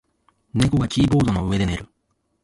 猫がキーボードの上で寝る。